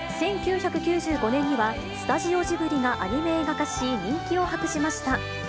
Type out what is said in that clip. １９９５年には、スタジオジブリがアニメ映画化し、人気を博しました。